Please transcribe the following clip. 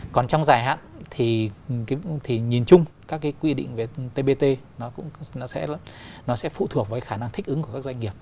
còn trong dài hạn thì nhìn chung các cái quy định về tbt nó cũng sẽ phụ thuộc vào khả năng thích ứng của các doanh nghiệp